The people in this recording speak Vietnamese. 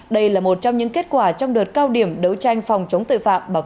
đây là một trong những kết quả trong đợt cao điểm đấu tranh phòng chống tội phạm